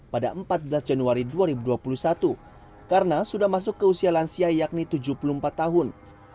pada empat belas januari dua ribu dua puluh satu karena sudah masuk ke usia lansia yakni tujuh puluh empat tahun